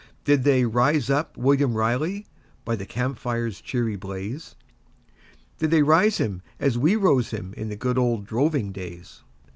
Did they 'rise up, William Riley' by the camp fire's cheery blaze? Did they rise him as we rose him in the good old droving days?